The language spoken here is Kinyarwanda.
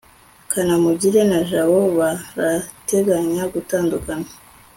kanamugire na jabo barateganya gutandukana